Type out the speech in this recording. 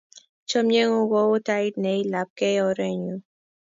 Chomye ng'ung' kou tait ne i lapkei orennyu.